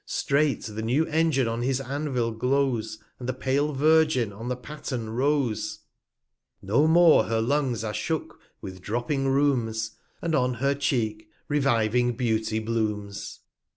Strait the new Engine on his Anvil glows, 275 And the pale Virgin on the Patten rose. r R i r i A No more her Lungs are shook with dropping Rheums, And on her Cheek reviving Beauty blooms.